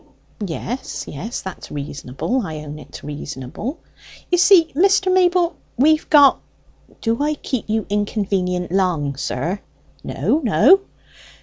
"Yes, yes, that's reasonable; I own it's reasonable." "You see, Mr. Mayble, we've got do I keep you inconvenient long, sir?" "No, no."